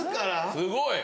・すごい。